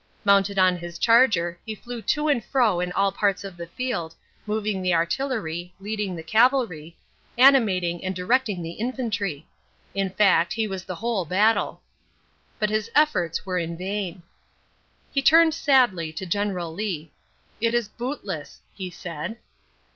Mounted on his charger, he flew to and fro in all parts of the field, moving the artillery, leading the cavalry, animating and directing the infantry. In fact, he was the whole battle. But his efforts were in vain. He turned sadly to General Lee. "It is bootless," he said.